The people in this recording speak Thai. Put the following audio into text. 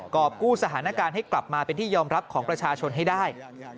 อบกู้สถานการณ์ให้กลับมาเป็นที่ยอมรับของประชาชนให้ได้